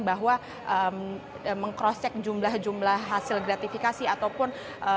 bahwa meng crosscheck jumlah jumlah hasil gratifikasi ataupun